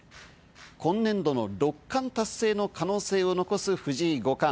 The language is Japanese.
今年度の六冠達成の可能性を残す藤井五冠。